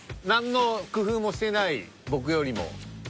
何の工夫もしてない僕よりも。